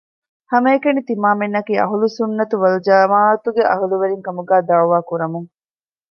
ހަމައެކަނި ތިމާމެންނަކީ އަހުލު ސުއްނަތު ވަލްޖަމާޢަތުގެ އަހުލުވެރިން ކަމުގައި ދަޢުވާ ކުރަމުން